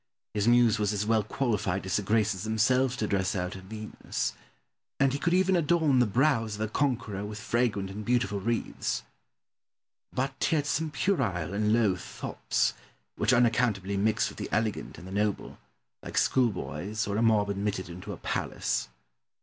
His Muse was as well qualified as the Graces themselves to dress out a Venus; and he could even adorn the brows of a conqueror with fragrant and beautiful wreaths. But he had some puerile and low thoughts, which unaccountably mixed with the elegant and the noble, like schoolboys or a mob admitted into a palace.